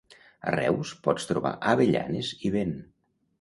A Reus pots trobar avellanes i vent.